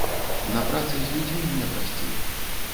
На працы з людзьмі мне прасцей.